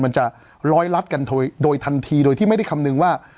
มันจะร้อยลัดกันโดยทันทีโดยที่ไม่ได้คำนึงว่า